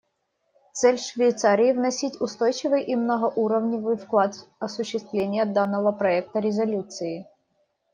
Цель Швейцарии — вносить устойчивый и многоуровневый вклад в осуществление данного проекта резолюции.